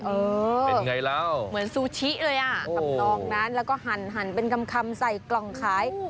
เป็นไงเล่าเหมือนซูชิเลยอ่ะทำนองนั้นแล้วก็หั่นเป็นคำใส่กล่องขาย